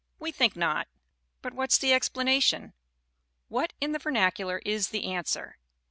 We think not. But what's the explanation ? What, in the vernacu lar, is the answer?